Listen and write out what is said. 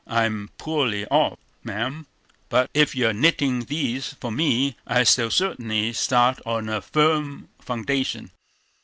I'm poorly off, ma'am; but if you are knitting these for me, I shall certainly start on a firm foundation."